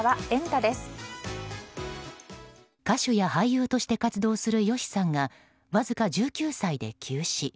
歌手や俳優として活動するＹＯＳＨＩさんがわずか１９歳で急死。